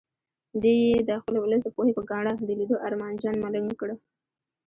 دی یې د خپل ولس د پوهې په ګاڼه د لیدو ارمانجن ملنګ کړ.